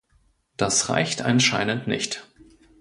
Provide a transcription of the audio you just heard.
Das reicht anscheinend nicht.